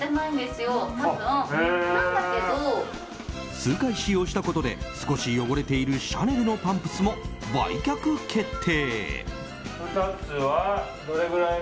数回使用したことで少し汚れているシャネルのパンプスも売却決定。